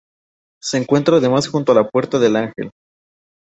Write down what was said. Se encuentra además junto a la Puerta del Ángel.